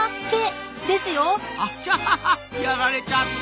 あちゃやられちゃった！